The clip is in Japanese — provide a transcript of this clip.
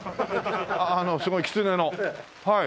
すごいキツネのはい。